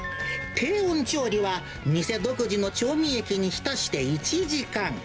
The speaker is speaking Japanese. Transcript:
低温調理は店独自の調味液に浸して１時間。